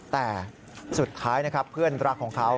แต่สุดท้ายนะครับเพื่อนรักของเขา